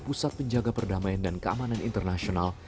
pusat penjaga perdamaian dan keamanan internasional